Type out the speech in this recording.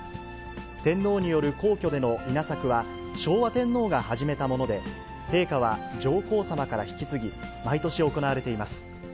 天皇による皇居での稲作は、昭和天皇が始めたもので、陛下は上皇さまから引き継ぎ、毎年行われています。